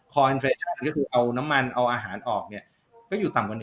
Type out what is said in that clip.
ก็คือเอาน้ำมันเอาอาหารออกเนี่ยก็อยู่ต่ำกว่า๑